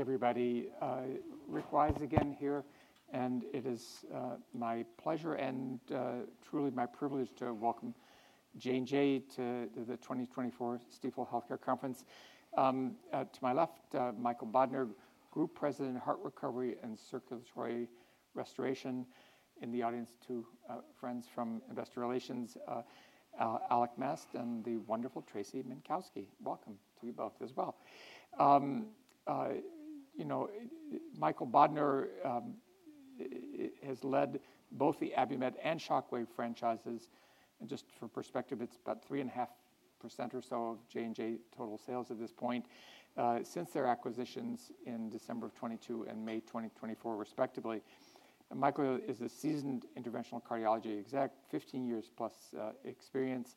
Hey, everybody. Rick Wise again here, and it is my pleasure and truly my privilege to welcome J&J to the 2024 Stifel Healthcare Conference. To my left, Michael Bodner, Group President, Heart Recovery and Circulatory Restoration. In the audience, two friends from Investor Relations, Alec Mast and the wonderful Tracy Menkowski. Welcome to you both as well. You know, Michael Bodner has led both the Abiomed and Shockwave franchises. And just for perspective, it's about 3.5% or so of J&J total sales at this point since their acquisitions in December of 2022 and May 2024, respectively. Michael is a seasoned interventional cardiology exec, 15 years plus experience,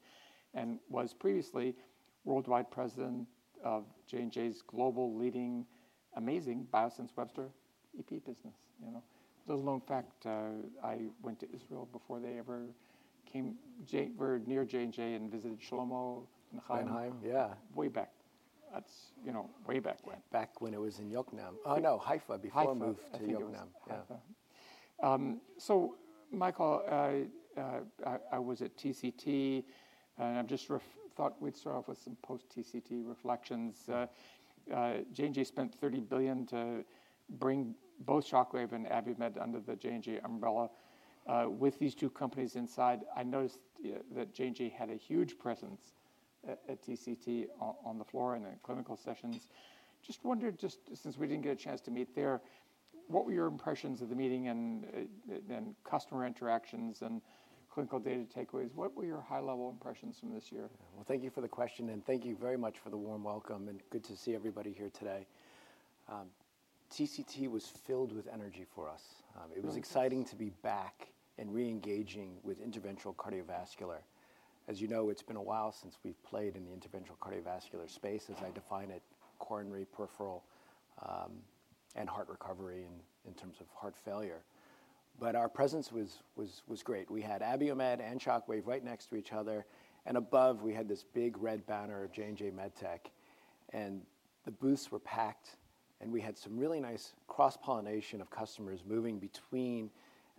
and was previously worldwide president of J&J's global leading, amazing Biosense Webster EP business. You know, little-known fact, I went to Israel before they ever came near J&J and visited Shlomo Ben-Haim. Ben-Haim, yeah. Way back. That's, you know, way back when. Back when it was in Yokneam. Oh, no, Haifa before I moved to Yokneam. So Michael, I was at TCT, and I just thought we'd start off with some post-TCT reflections. J&J spent $30 billion to bring both Shockwave and Abiomed under the J&J umbrella. With these two companies inside, I noticed that J&J had a huge presence at TCT on the floor and in clinical sessions. Just wondered, just since we didn't get a chance to meet there, what were your impressions of the meeting and customer interactions and clinical data takeaways? What were your high-level impressions from this year? Thank you for the question, and thank you very much for the warm welcome, and good to see everybody here today. TCT was filled with energy for us. It was exciting to be back and re-engaging with interventional cardiovascular. As you know, it's been a while since we've played in the interventional cardiovascular space, as I define it, coronary, peripheral, and heart recovery in terms of heart failure. But our presence was great. We had Abiomed and Shockwave right next to each other, and above, we had this big red banner of J&J MedTech, and the booths were packed, and we had some really nice cross-pollination of customers moving between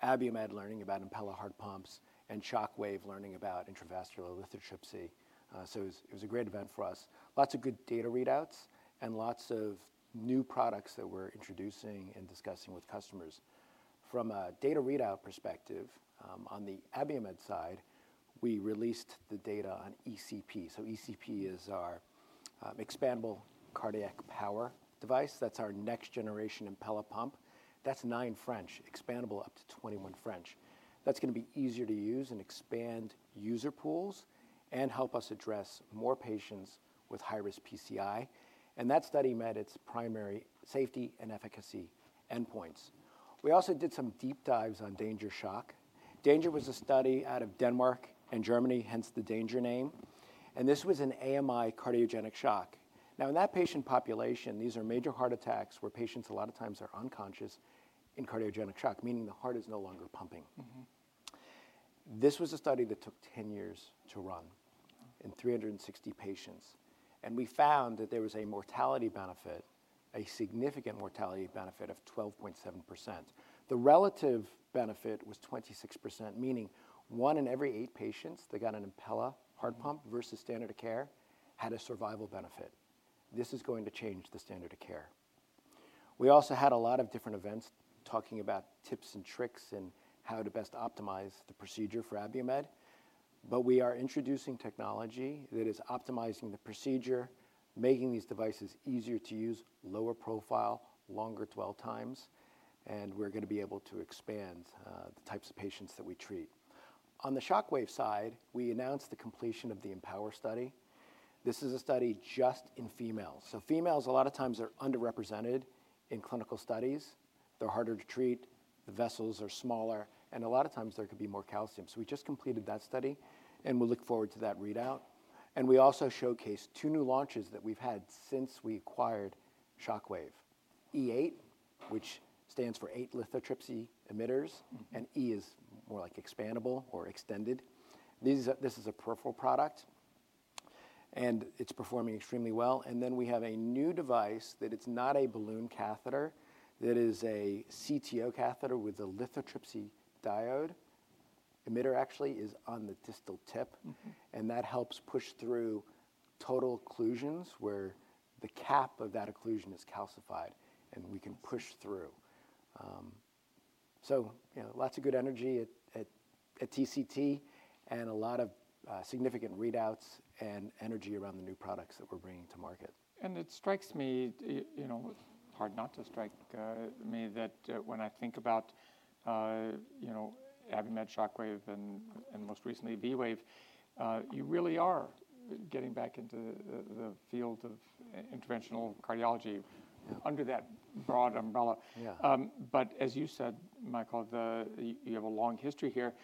Abiomed learning about Impella heart pumps and Shockwave learning about intravascular lithotripsy. So it was a great event for us. Lots of good data readouts and lots of new products that we're introducing and discussing with customers. From a data readout perspective, on the Abiomed side, we released the data on ECP. So ECP is our expandable cardiac power device. That's our next-generation Impella pump. That's nine French, expandable up to 21 French. That's going to be easier to use and expand user pools and help us address more patients with high-risk PCI. And that study met its primary safety and efficacy endpoints. We also did some deep dives on DanGer Shock. DanGer was a study out of Denmark and Germany, hence the DanGer name. And this was an AMI cardiogenic shock. Now, in that patient population, these are major heart attacks where patients a lot of times are unconscious in cardiogenic shock, meaning the heart is no longer pumping. This was a study that took 10 years to run in 360 patients. And we found that there was a mortality benefit, a significant mortality benefit of 12.7%. The relative benefit was 26%, meaning one in every eight patients that got an Impella heart pump versus standard of care had a survival benefit. This is going to change the standard of care. We also had a lot of different events talking about tips and tricks and how to best optimize the procedure for Abiomed. But we are introducing technology that is optimizing the procedure, making these devices easier to use, lower profile, longer dwell times, and we're going to be able to expand the types of patients that we treat. On the Shockwave side, we announced the completion of the Empower study. This is a study just in females. So females a lot of times are underrepresented in clinical studies. They're harder to treat. The vessels are smaller, and a lot of times there could be more calcium, so we just completed that study, and we'll look forward to that readout, and we also showcased two new launches that we've had since we acquired Shockwave, E8, which stands for eight lithotripsy emitters, and E is more like expandable or extended. This is a peripheral product, and it's performing extremely well, and then we have a new device that it's not a balloon catheter. That is a CTO catheter with a lithotripsy emitter actually on the distal tip, and that helps push through total occlusions where the cap of that occlusion is calcified, and we can push through, so lots of good energy at TCT and a lot of significant readouts and energy around the new products that we're bringing to market. It strikes me, you know, hard not to strike me that when I think about Abiomed, Shockwave, and most recently V-Wave, you really are getting back into the field of interventional cardiology under that broad umbrella. But as you said, Michael, you have a long history here,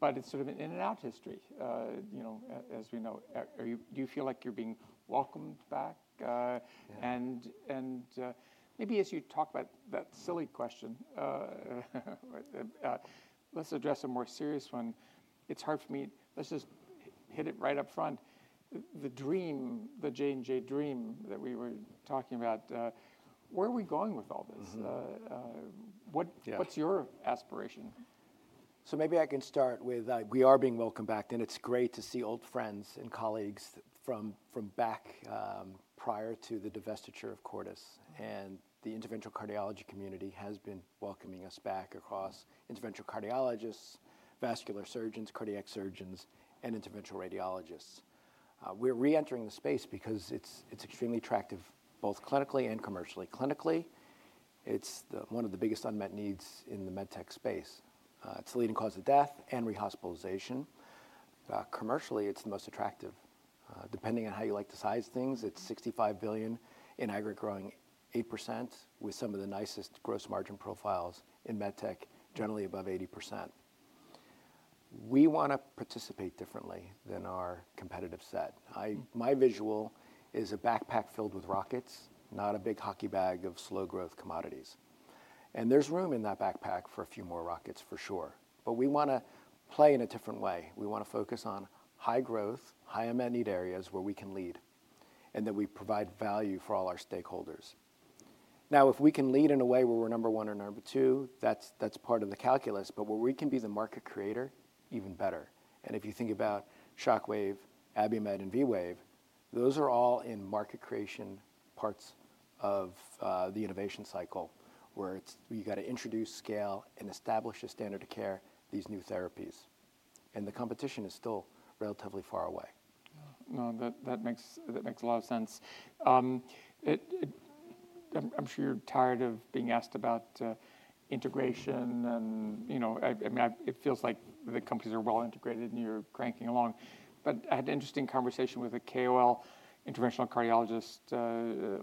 but it's sort of an in-and-out history, you know, as we know. Do you feel like you're being welcomed back? And maybe as you talk about that silly question, let's address a more serious one. It's hard for me. Let's just hit it right up front. The dream, the J&J dream that we were talking about, where are we going with all this? What's your aspiration? So maybe I can start with we are being welcomed back, and it's great to see old friends and colleagues from back prior to the divestiture of Cordis. And the interventional cardiology community has been welcoming us back across interventional cardiologists, vascular surgeons, cardiac surgeons, and interventional radiologists. We're re-entering the space because it's extremely attractive both clinically and commercially. Clinically, it's one of the biggest unmet needs in the med tech space. It's the leading cause of death and rehospitalization. Commercially, it's the most attractive. Depending on how you like to size things, it's $65 billion in aggregate, growing 8% with some of the nicest gross margin profiles in med tech, generally above 80%. We want to participate differently than our competitive set. My visual is a backpack filled with rockets, not a big hockey bag of slow-growth commodities. And there's room in that backpack for a few more rockets, for sure. But we want to play in a different way. We want to focus on high-growth, high-need areas where we can lead and that we provide value for all our stakeholders. Now, if we can lead in a way where we're number one or number two, that's part of the calculus. But where we can be the market creator, even better. And if you think about Shockwave, Abiomed, and V-Wave, those are all in market creation parts of the innovation cycle where you've got to introduce, scale, and establish a standard of care for these new therapies. And the competition is still relatively far away. No, that makes a lot of sense. I'm sure you're tired of being asked about integration and, you know, it feels like the companies are well integrated and you're cranking along. But I had an interesting conversation with a KOL, interventional cardiologist,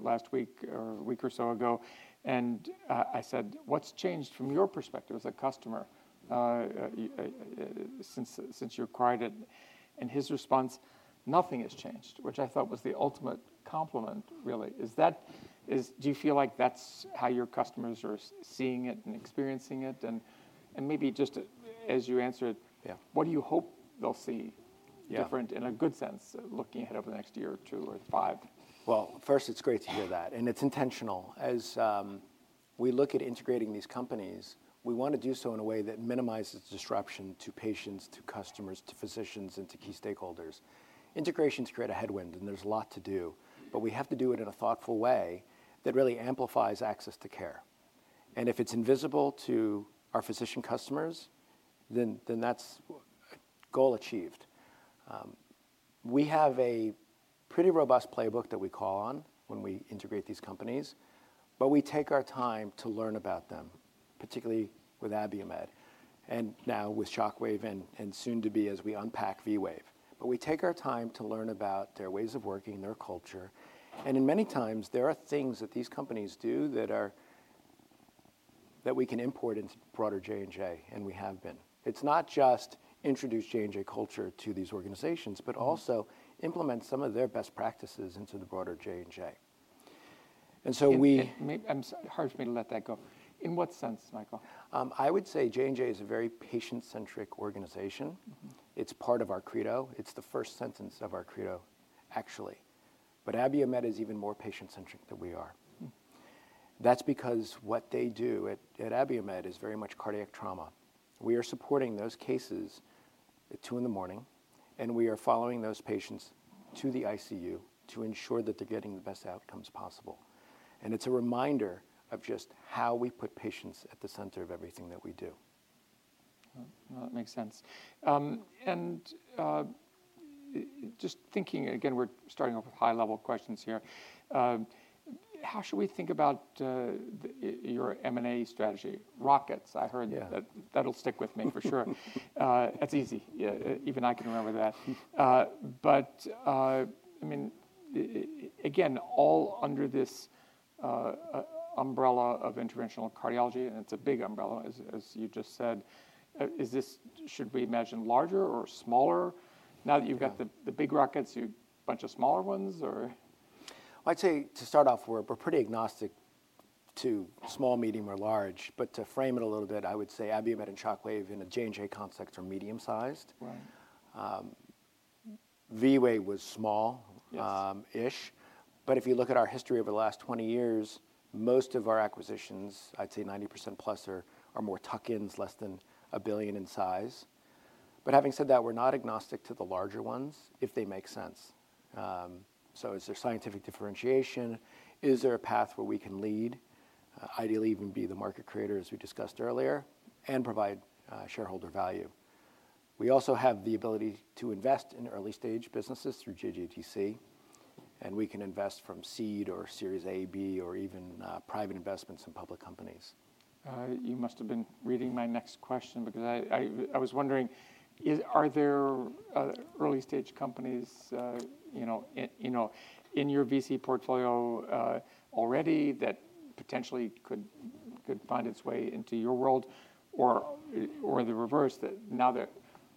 last week or a week or so ago, and I said, "What's changed from your perspective as a customer since you acquired it?" And his response, "Nothing has changed," which I thought was the ultimate compliment, really. Do you feel like that's how your customers are seeing it and experiencing it? And maybe just as you answer it, what do you hope they'll see different in a good sense, looking ahead over the next year or two or five? First, it's great to hear that. It's intentional. As we look at integrating these companies, we want to do so in a way that minimizes disruption to patients, to customers, to physicians, and to key stakeholders. Integrations create a headwind, and there's a lot to do. We have to do it in a thoughtful way that really amplifies access to care. If it's invisible to our physician customers, then that's a goal achieved. We have a pretty robust playbook that we call on when we integrate these companies, but we take our time to learn about them, particularly with Abiomed and now with Shockwave and soon to be as we unpack V-Wave. We take our time to learn about their ways of working, their culture. And in many times, there are things that these companies do that we can import into broader J&J, and we have been. It's not just introduce J&J culture to these organizations, but also implement some of their best practices into the broader J&J. And so we. It's hard for me to let that go. In what sense, Michael? I would say J&J is a very patient-centric organization. It's part of our credo. It's the first sentence of our credo, actually. But Abiomed is even more patient-centric than we are. That's because what they do at Abiomed is very much cardiac trauma. We are supporting those cases at 2:00 A.M., and we are following those patients to the ICU to ensure that they're getting the best outcomes possible, and it's a reminder of just how we put patients at the center of everything that we do. That makes sense, and just thinking, again, we're starting off with high-level questions here. How should we think about your M&A strategy? Rockets. I heard that. That'll stick with me for sure. That's easy. Even I can remember that, but I mean, again, all under this umbrella of interventional cardiology, and it's a big umbrella, as you just said. Should we imagine larger or smaller? Now that you've got the big rockets, you have a bunch of smaller ones, or? I'd say to start off, we're pretty agnostic to small, medium, or large. But to frame it a little bit, I would say Abiomed and Shockwave in a J&J context are medium-sized. V-Wave was small-ish. But if you look at our history over the last 20 years, most of our acquisitions, I'd say 90% plus, are more tuck-ins, less than a billion in size. But having said that, we're not agnostic to the larger ones if they make sense. So is there scientific differentiation? Is there a path where we can lead, ideally even be the market creator, as we discussed earlier, and provide shareholder value? We also have the ability to invest in early-stage businesses through JJDC, and we can invest from seed or Series A, B, or even private investments in public companies. You must have been reading my next question because I was wondering, are there early-stage companies in your VC portfolio already that potentially could find its way into your world or the reverse, that now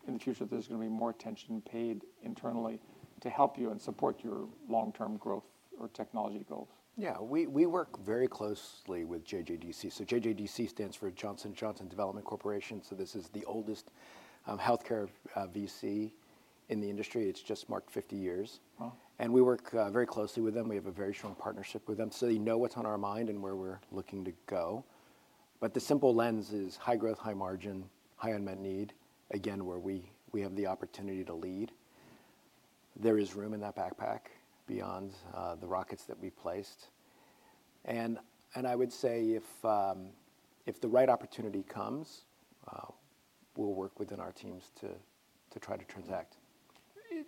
in the future there's going to be more attention paid internally to help you and support your long-term growth or technology goals? Yeah, we work very closely with JJDC. So JJDC stands for Johnson & Johnson Development Corporation. So this is the oldest healthcare VC in the industry. It's just marked 50 years. And we work very closely with them. We have a very strong partnership with them. So they know what's on our mind and where we're looking to go. But the simple lens is high growth, high margin, high unmet need, again, where we have the opportunity to lead. There is room in that backpack beyond the rockets that we placed. And I would say if the right opportunity comes, we'll work within our teams to try to transact.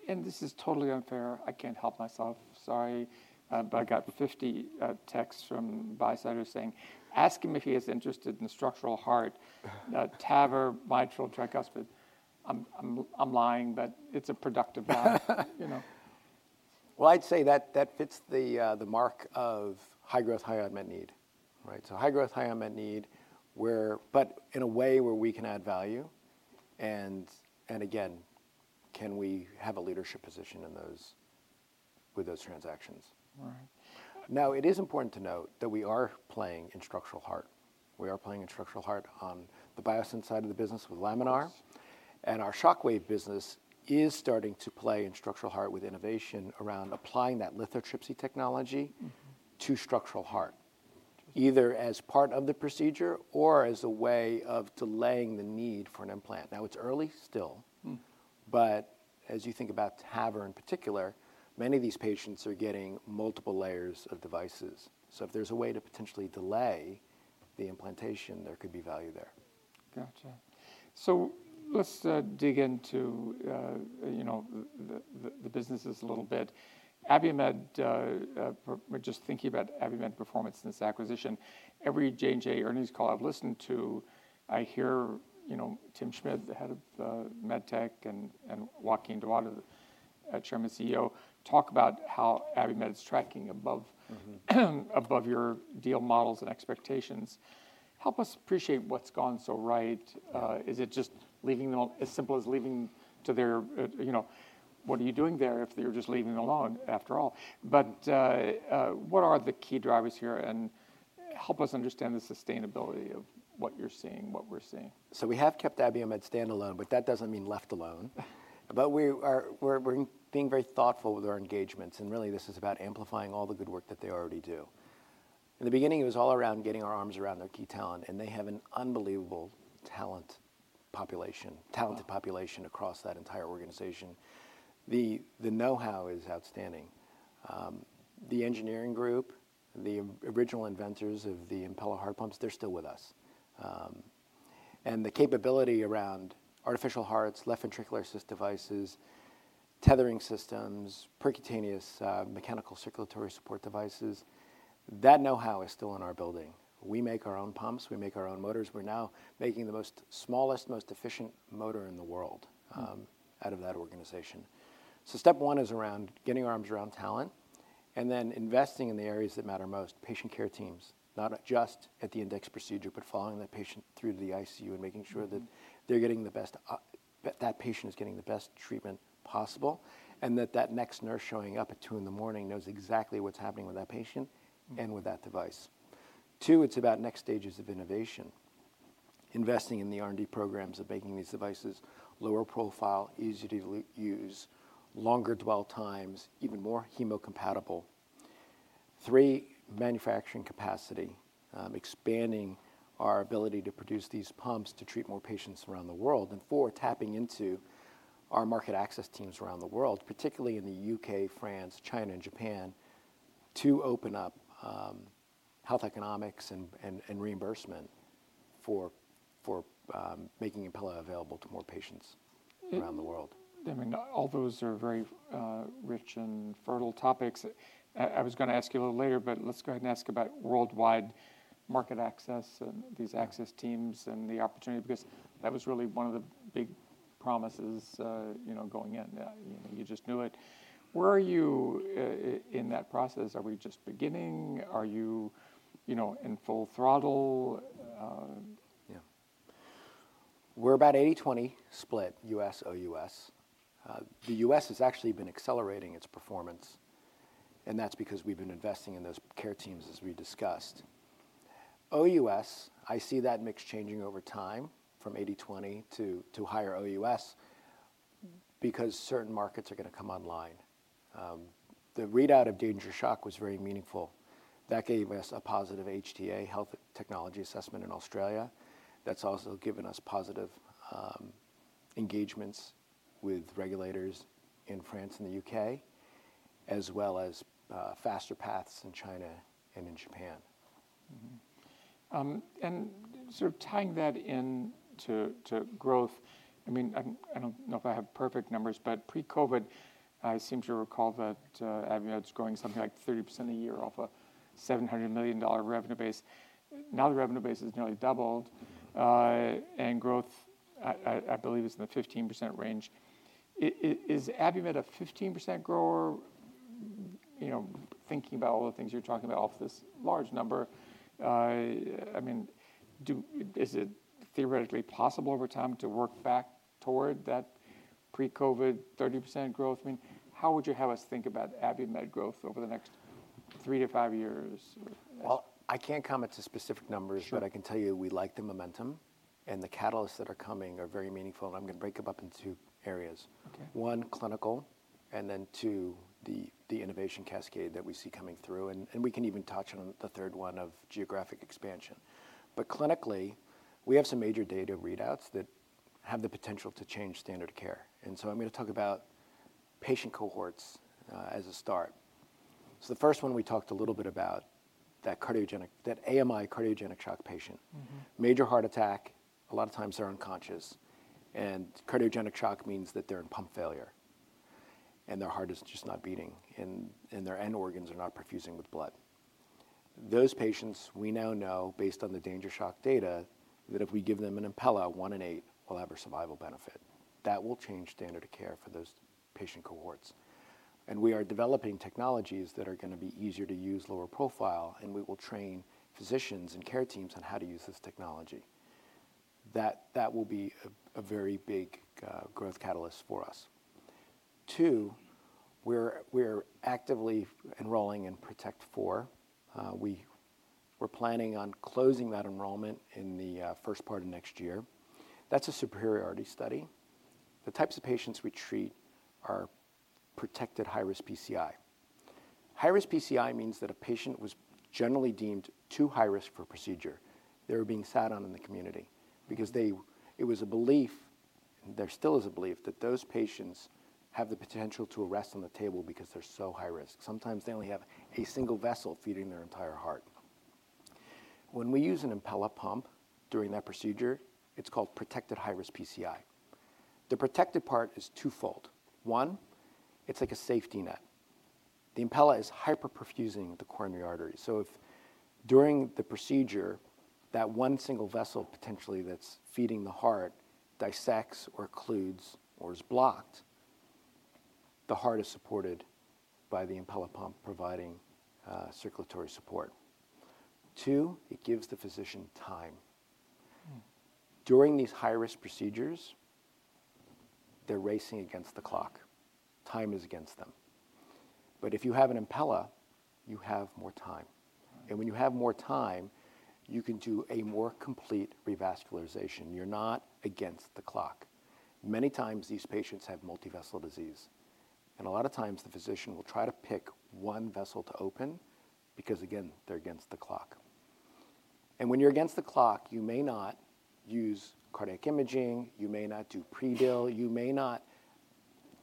And this is totally unfair. I can't help myself. Sorry. But I got 50 texts from uncertain saying, "Ask him if he is interested in the structural heart, TAVR, mitral, tricuspid." I'm lying, but it's a productive line. I'd say that fits the mark of high growth, high unmet need. High growth, high unmet need, but in a way where we can add value. Again, can we have a leadership position with those transactions? It is important to note that we are playing in structural heart. We are playing in structural heart on the Biosense side of the business with Laminar. Our Shockwave business is starting to play in structural heart with innovation around applying that lithotripsy technology to structural heart, either as part of the procedure or as a way of delaying the need for an implant. It's early still, but as you think about TAVR in particular, many of these patients are getting multiple layers of devices. If there's a way to potentially delay the implantation, there could be value there. Gotcha. So let's dig into the businesses a little bit. Abiomed, just thinking about Abiomed performance in this acquisition, every J&J earnings call I've listened to, I hear Tim Schmid, the head of MedTech, and Joaquin Duato, Chairman and CEO, talk about how Abiomed is tracking above your deal models and expectations. Help us appreciate what's gone so right. Is it just leaving them as simple as leaving to their, what are you doing there if you're just leaving them alone after all? But what are the key drivers here? And help us understand the sustainability of what you're seeing, what we're seeing. We have kept Abiomed standalone, but that doesn't mean left alone. But we're being very thoughtful with our engagements. And really, this is about amplifying all the good work that they already do. In the beginning, it was all around getting our arms around their key talent. And they have an unbelievable talent population, talented population across that entire organization. The know-how is outstanding. The engineering group, the original inventors of the Impella heart pumps, they're still with us. And the capability around artificial hearts, left ventricular assist devices, tethering systems, percutaneous mechanical circulatory support devices, that know-how is still in our building. We make our own pumps. We make our own motors. We're now making the smallest, most efficient motor in the world out of that organization. So, step one is around getting our arms around talent and then investing in the areas that matter most, patient care teams, not just at the index procedure, but following that patient through to the ICU and making sure that they're getting the best, that patient is getting the best treatment possible and that the next nurse showing up at 2:00 A.M. knows exactly what's happening with that patient and with that device. Two, it's about next stages of innovation, investing in the R&D programs of making these devices lower profile, easy to use, longer dwell times, even more hemocompatible. Three, manufacturing capacity, expanding our ability to produce these pumps to treat more patients around the world. Four, tapping into our market access teams around the world, particularly in the U.K., France, China, and Japan, to open up health economics and reimbursement for making Impella available to more patients around the world. I mean, all those are very rich and fertile topics. I was going to ask you a little later, but let's go ahead and ask about worldwide market access and these access teams and the opportunity because that was really one of the big promises going in. You just knew it. Where are you in that process? Are we just beginning? Are you in full throttle? Yeah. We're about 80/20 split, U.S./OUS. The U.S. has actually been accelerating its performance, and that's because we've been investing in those care teams, as we discussed. OUS, I see that mix changing over time from 80/20 to higher OUS because certain markets are going to come online. The readout of DanGer Shock was very meaningful. That gave us a positive HTA, health technology assessment in Australia. That's also given us positive engagements with regulators in France and the U.K., as well as faster paths in China and in Japan. Sort of tying that into growth, I mean, I don't know if I have perfect numbers, but pre-COVID, I seem to recall that Abiomed was growing something like 30% a year off a $700 million revenue base. Now the revenue base has nearly doubled, and growth, I believe, is in the 15% range. Is Abiomed a 15% grower? Thinking about all the things you're talking about off this large number, I mean, is it theoretically possible over time to work back toward that pre-COVID 30% growth? I mean, how would you have us think about Abiomed growth over the next three to five years? I can't comment on specific numbers, but I can tell you we like the momentum, and the catalysts that are coming are very meaningful. And I'm going to break them up into two areas. One, clinical, and then two, the innovation cascade that we see coming through. And we can even touch on the third one of geographic expansion. But clinically, we have some major data readouts that have the potential to change standard of care. And so I'm going to talk about patient cohorts as a start. So the first one we talked a little bit about, that AMI cardiogenic shock patient, major heart attack, a lot of times they're unconscious. And cardiogenic shock means that they're in pump failure, and their heart is just not beating, and their end organs are not perfusing with blood. Those patients, we now know, based on the DanGer Shock data, that if we give them an Impella, one in eight will have a survival benefit. That will change standard of care for those patient cohorts. And we are developing technologies that are going to be easier to use, lower profile, and we will train physicians and care teams on how to use this technology. That will be a very big growth catalyst for us. Two, we're actively enrolling in Protect Four. We're planning on closing that enrollment in the first part of next year. That's a superiority study. The types of patients we treat are protected high-risk PCI. High-risk PCI means that a patient was generally deemed too high risk for procedure. They were being sat on in the community because it was a belief, and there still is a belief, that those patients have the potential to arrest on the table because they're so high risk. Sometimes they only have a single vessel feeding their entire heart. When we use an Impella pump during that procedure, it's called protected high-risk PCI. The protected part is twofold. One, it's like a safety net. The Impella is hyperperfusing the coronary artery. So if during the procedure, that one single vessel potentially that's feeding the heart dissects or occludes or is blocked, the heart is supported by the Impella pump providing circulatory support. Two, it gives the physician time. During these high-risk procedures, they're racing against the clock. Time is against them. But if you have an Impella, you have more time. And when you have more time, you can do a more complete revascularization. You're not against the clock. Many times these patients have multivessel disease. And a lot of times the physician will try to pick one vessel to open because, again, they're against the clock. And when you're against the clock, you may not use cardiac imaging. You may not do predil. You may not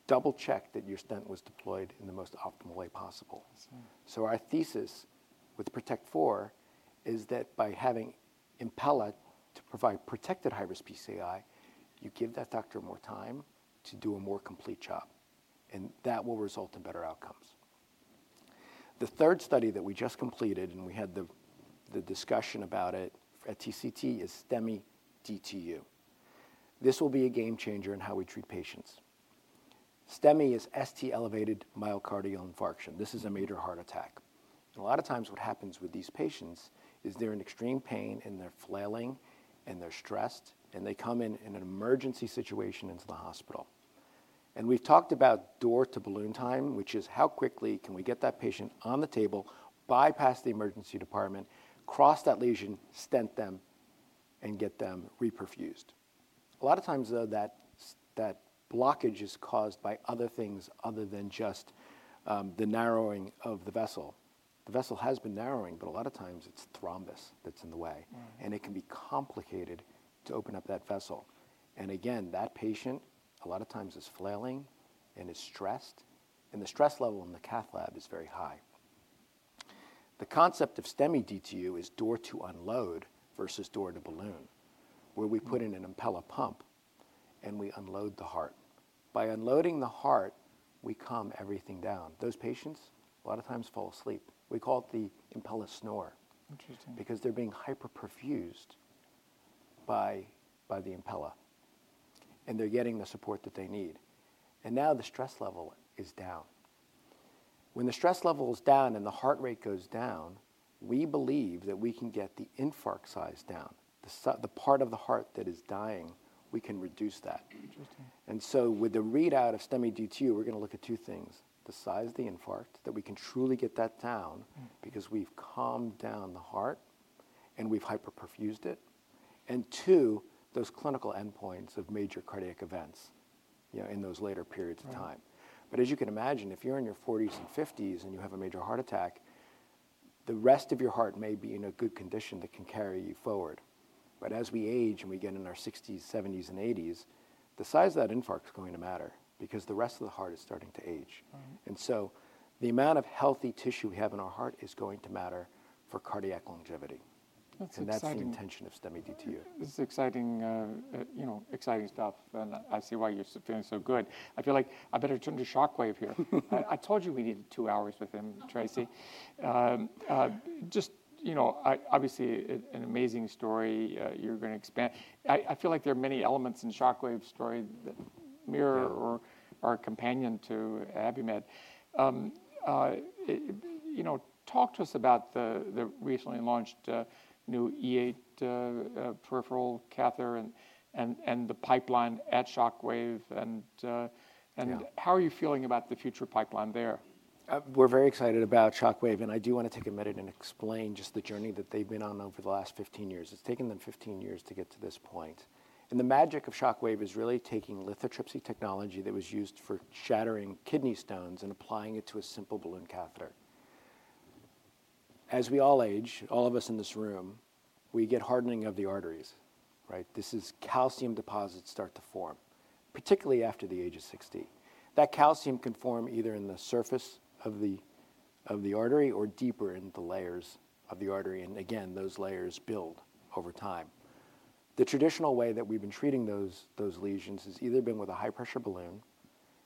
double-check that your stent was deployed in the most optimal way possible. So our thesis with Protect Four is that by having Impella to provide protected high-risk PCI, you give that doctor more time to do a more complete job. And that will result in better outcomes. The third study that we just completed, and we had the discussion about it at TCT, is STEMI DTU. This will be a game changer in how we treat patients. STEMI is ST-elevation myocardial infarction. This is a major heart attack. And a lot of times what happens with these patients is they're in extreme pain, and they're flailing, and they're stressed, and they come in an emergency situation into the hospital. And we've talked about door-to-balloon time, which is how quickly can we get that patient on the table, bypass the emergency department, cross that lesion, stent them, and get them reperfused. A lot of times, though, that blockage is caused by other things other than just the narrowing of the vessel. The vessel has been narrowing, but a lot of times it's thrombus that's in the way. And it can be complicated to open up that vessel. And again, that patient a lot of times is flailing, and is stressed. And the stress level in the cath lab is very high. The concept of STEMI DTU is door-to-unload versus door-to-balloon, where we put in an Impella pump, and we unload the heart. By unloading the heart, we calm everything down. Those patients a lot of times fall asleep. We call it the Impella snore because they're being hyperperfused by the Impella, and they're getting the support that they need, and now the stress level is down. When the stress level is down and the heart rate goes down, we believe that we can get the infarct size down. The part of the heart that is dying, we can reduce that. With the readout of STEMI DTU, we're going to look at two things: the size of the infarct, that we can truly get that down because we've calmed down the heart, and we've hyperperfused it, and two, those clinical endpoints of major cardiac events in those later periods of time. As you can imagine, if you're in your 40s and 50s and you have a major heart attack, the rest of your heart may be in a good condition that can carry you forward. As we age and we get in our 60s, 70s, and 80s, the size of that infarct is going to matter because the rest of the heart is starting to age. The amount of healthy tissue we have in our heart is going to matter for cardiac longevity. That's the intention of STEMI DTU. It's exciting stuff. And I see why you're feeling so good. I feel like I better turn to Shockwave here. I told you we needed two hours with him, Tracy. Just obviously an amazing story. You're going to expand. I feel like there are many elements in Shockwave's story that mirror or are a companion to Abiomed. Talk to us about the recently launched new E8 peripheral catheter and the pipeline at Shockwave. And how are you feeling about the future pipeline there? We're very excited about Shockwave. And I do want to take a minute and explain just the journey that they've been on over the last 15 years. It's taken them 15 years to get to this point. And the magic of Shockwave is really taking lithotripsy technology that was used for shattering kidney stones and applying it to a simple balloon catheter. As we all age, all of us in this room, we get hardening of the arteries, right? This is calcium deposits start to form, particularly after the age of 60. That calcium can form either in the surface of the artery or deeper in the layers of the artery. And again, those layers build over time. The traditional way that we've been treating those lesions has either been with a high-pressure balloon,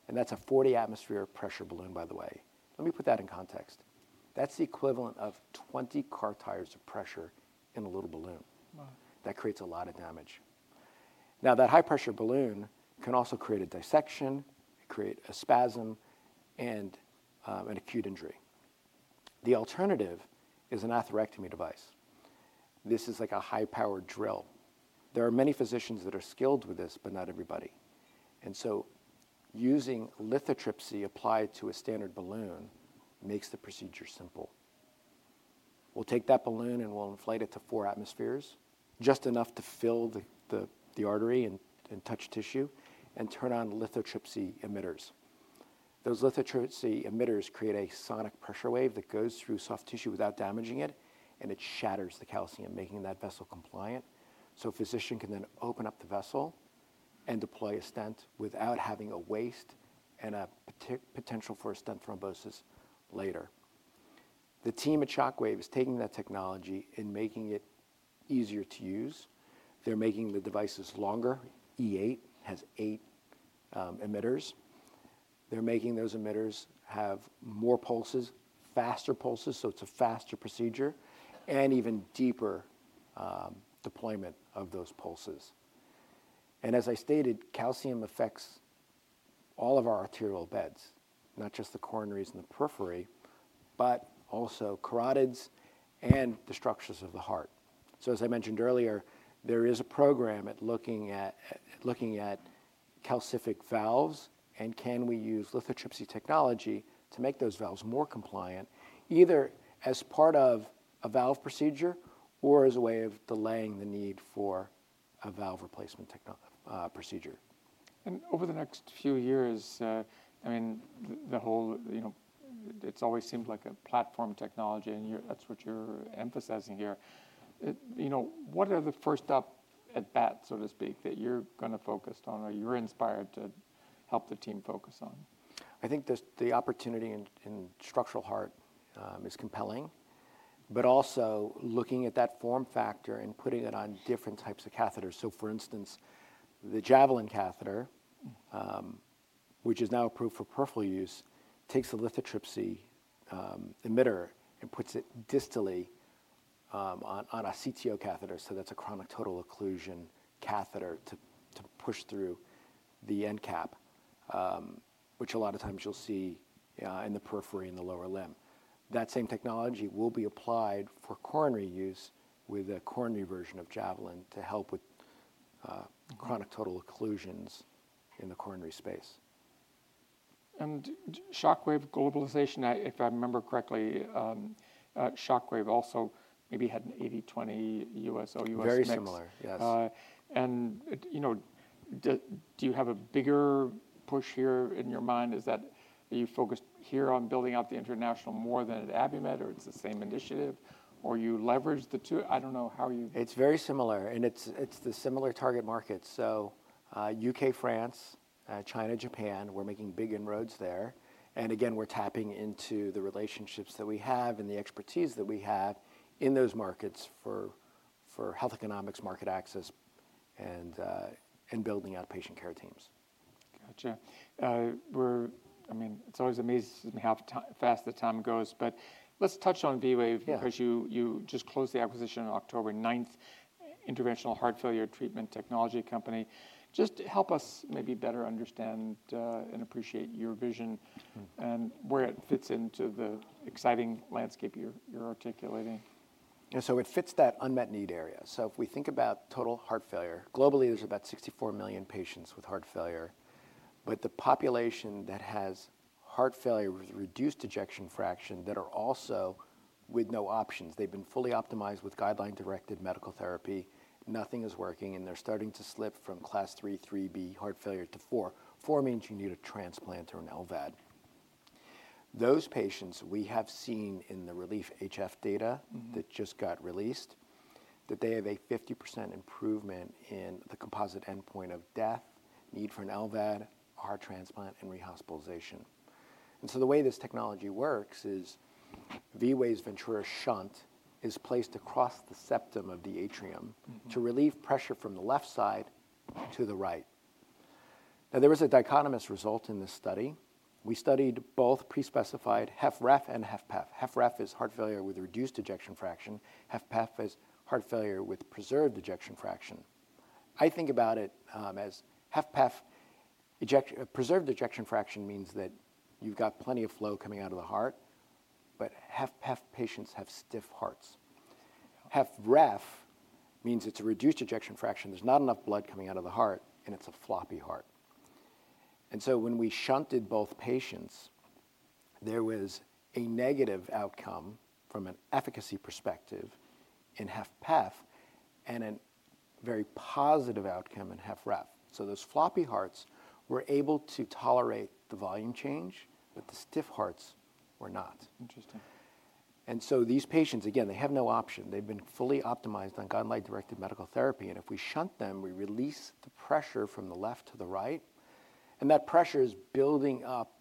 and that's a 40-atmosphere pressure balloon, by the way. Let me put that in context. That's the equivalent of 20 car tires of pressure in a little balloon. That creates a lot of damage. Now, that high-pressure balloon can also create a dissection, create a spasm, and an acute injury. The alternative is an atherectomy device. This is like a high-powered drill. There are many physicians that are skilled with this, but not everybody. And so using lithotripsy applied to a standard balloon makes the procedure simple. We'll take that balloon and we'll inflate it to four atmospheres, just enough to fill the artery and touch tissue, and turn on lithotripsy emitters. Those lithotripsy emitters create a sonic pressure wave that goes through soft tissue without damaging it, and it shatters the calcium, making that vessel compliant. So a physician can then open up the vessel and deploy a stent without having a waste and a potential for a stent thrombosis later. The team at Shockwave is taking that technology and making it easier to use. They're making the devices longer. E8 has eight emitters. They're making those emitters have more pulses, faster pulses, so it's a faster procedure, and even deeper deployment of those pulses. And as I stated, calcium affects all of our arterial beds, not just the coronaries and the periphery, but also carotids and the structures of the heart. So as I mentioned earlier, there is a program at looking at calcific valves, and can we use lithotripsy technology to make those valves more compliant, either as part of a valve procedure or as a way of delaying the need for a valve replacement procedure. Over the next few years, I mean, it's always seemed like a platform technology, and that's what you're emphasizing here. What are the first steps at bat, so to speak, that you're going to focus on or you're inspired to help the team focus on? I think the opportunity in structural heart is compelling, but also looking at that form factor and putting it on different types of catheters. So for instance, the Javelin catheter, which is now approved for peripheral use, takes a lithotripsy emitter and puts it distally on a CTO catheter. So that's a chronic total occlusion catheter to push through the end cap, which a lot of times you'll see in the periphery in the lower limb. That same technology will be applied for coronary use with a coronary version of Javelin to help with chronic total occlusions in the coronary space. Shockwave globalization, if I remember correctly, Shockwave also maybe had an 80/20 U.S./OUS mix? Very similar, yes. Do you have a bigger push here in your mind? Are you focused here on building out the international more than at Abiomed, or it's the same initiative? Or you leverage the two? I don't know how you. It's very similar. And it's the similar target markets. So U.K., France, China, Japan, we're making big inroads there. And again, we're tapping into the relationships that we have and the expertise that we have in those markets for health economics, market access, and building out patient care teams. Gotcha. I mean, it's always amazing how fast the time goes. But let's touch on V-Wave because you just closed the acquisition on October 9, interventional heart failure treatment technology company. Just help us maybe better understand and appreciate your vision and where it fits into the exciting landscape you're articulating. Yeah. So it fits that unmet need area. So if we think about total heart failure, globally, there's about 64 million patients with heart failure. But the population that has heart failure with reduced ejection fraction that are also with no options, they've been fully optimized with guideline-directed medical therapy, nothing is working, and they're starting to slip from class III, IIIB heart failure to IV. IV means you need a transplant or an LVAD. Those patients we have seen in the RELIEVE-HF data that just got released that they have a 50% improvement in the composite endpoint of death, need for an LVAD, heart transplant, and rehospitalization. And so the way this technology works is V-Wave's Ventura shunt is placed across the septum of the atrium to relieve pressure from the left side to the right. Now, there was a dichotomous result in this study. We studied both prespecified HFrEF and HFpEF. HFrEF is heart failure with reduced ejection fraction. HFpEF is heart failure with preserved ejection fraction. I think about it as HFpEF preserved ejection fraction means that you've got plenty of flow coming out of the heart, but HFpEF patients have stiff hearts. HFrEF means it's a reduced ejection fraction. There's not enough blood coming out of the heart, and it's a floppy heart. And so when we shunted both patients, there was a negative outcome from an efficacy perspective in HFpEF and a very positive outcome in HFrEF. So those floppy hearts were able to tolerate the volume change, but the stiff hearts were not. And so these patients, again, they have no option. They've been fully optimized on guideline-directed medical therapy. And if we shunt them, we release the pressure from the left to the right. That pressure is building up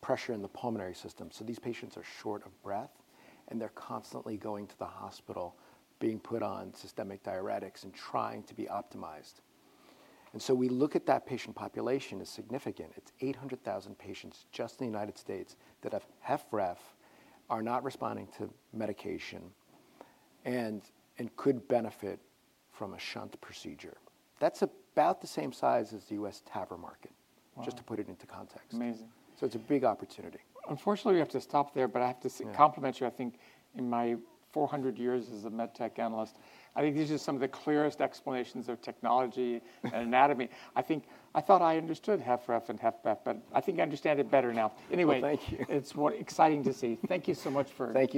pressure in the pulmonary system. These patients are short of breath, and they're constantly going to the hospital, being put on systemic diuretics, and trying to be optimized. We look at that patient population. It's significant. It's 800,000 patients just in the United States that have HFrEF, are not responding to medication, and could benefit from a shunt procedure. That's about the same size as the U.S. TAVR market, just to put it into context. Amazing. So it's a big opportunity. Unfortunately, we have to stop there, but I have to compliment you. I think in my 400 years as a MedTech analyst, I think these are some of the clearest explanations of technology and anatomy. I thought I understood HFrEF and HFpEF, but I think I understand it better now. Anyway, it's more exciting to see. Thank you so much for. Thank you